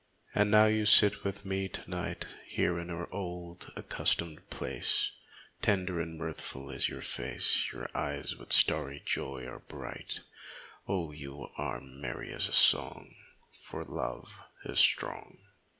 And now you sit with me to night Here in our old, accustomed place; Tender and mirthful is your face. Your eyes with starry joy are bright — Oh, you are merry as a song For love is strong